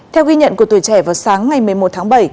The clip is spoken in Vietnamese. theo ghi nhận của tuổi trẻ vào sáng ngày một mươi một tháng bảy